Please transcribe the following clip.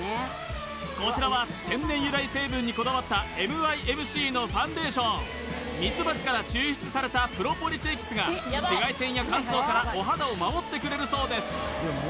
こちらは天然由来成分にこだわったＭｉＭＣのファンデーションミツバチから抽出されたプロポリスエキスが紫外線や乾燥からお肌を守ってくれるそうです